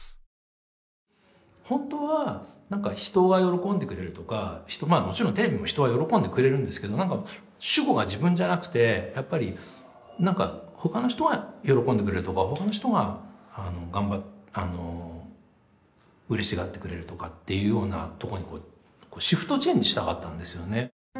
本当はなんか人が喜んでくれるとかまあもちろんテレビも人は喜んでくれるんですけど主語が自分じゃなくてやっぱりなんか他の人が喜んでくれるとか他の人がうれしがってくれるとかっていうようなとこにシフトチェンジしたかったんですよね。